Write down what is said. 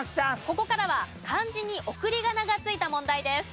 ここからは漢字に送り仮名が付いた問題です。